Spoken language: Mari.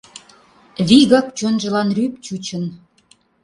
Вигак чонжылан рӱп чучын.